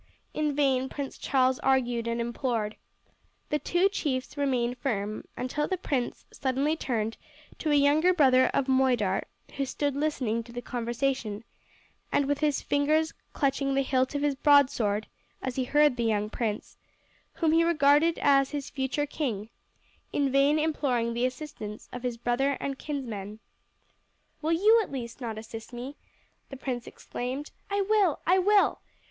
In vain Prince Charles argued and implored. The two chiefs remained firm, until the prince suddenly turned to a younger brother of Moidart, who stood listening to the conversation, and with his fingers clutching the hilt of his broadsword as he heard the young prince, whom he regarded as his future king, in vain imploring the assistance of his brother and kinsmen. "Will you at least not assist me?" the prince exclaimed. "I will, I will!"